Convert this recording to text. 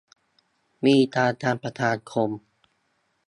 มีการทำประชาชนคม